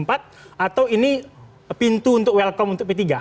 atau ini pintu untuk welcome untuk p tiga